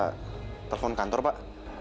mungkin bapak bisa telepon kantor pak